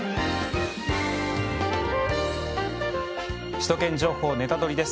「首都圏情報ネタドリ！」です。